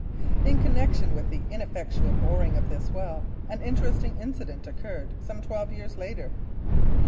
In connection with the ineffectual boring of this well an interesting incident occurred some twelve years later.